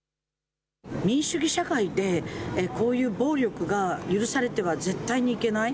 民主主義社会でこういう暴力が許されては絶対にいけない。